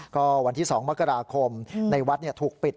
ก็วันที่๒มกราคมในวัดถูกปิด